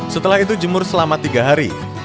setelah itu jemur selama tiga hari